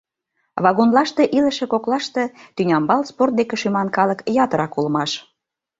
Вагонлаште илыше коклаште тӱнямбал спорт деке шӱман калык ятырак улмаш.